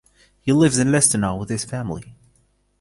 He lives in Lustenau with his family.